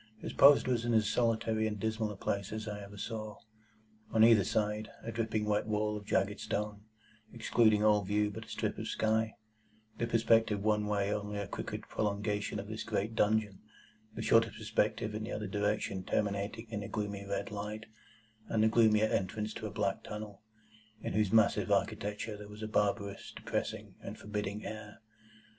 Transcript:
His post was in as solitary and dismal a place as ever I saw. On either side, a dripping wet wall of jagged stone, excluding all view but a strip of sky; the perspective one way only a crooked prolongation of this great dungeon; the shorter perspective in the other direction terminating in a gloomy red light, and the gloomier entrance to a black tunnel, in whose massive architecture there was a barbarous, depressing, and forbidding air.